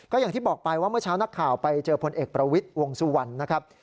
อย่างที่บอกไปว่าเมื่อเช้านักข่าวไปเจอพลเอกประวิทย์วงสุวรรณนะครับ